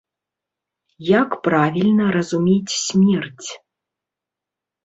Як правільна разумець смерць?